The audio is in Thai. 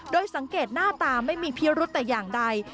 โดยสังเกตหน้าตาไม่มีพิรุธแต่อย่างใด